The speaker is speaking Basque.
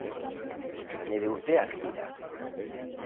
Nere urteak dira.